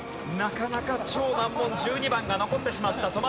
なかなか超難問１２番が残ってしまった。